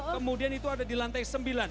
kemudian itu ada di lantai sembilan